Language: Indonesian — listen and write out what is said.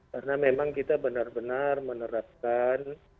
karena memang kita benar benar menerapkan